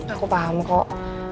aku paham kok